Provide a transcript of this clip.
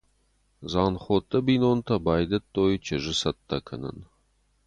Дзанхоты бинонтӕ байдыдтой чызджы цӕттӕ кӕнын.